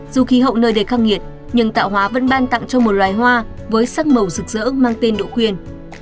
dù khí hậu nơi đầy khắc nghiệt nhưng tạo hóa vẫn ban tặng cho một loài hoa với sắc màu rực rỡ mang tên đỗ quyền